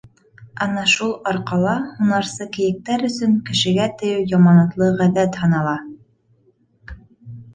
Ана шул арҡала һунарсы кейектәр өсөн кешегә тейеү яманатлы ғәҙәт һанала.